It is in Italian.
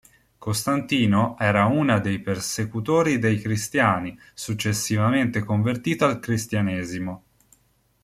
Costantino era una dei persecutori dei cristiani, successivamente convertito al cristianesimo.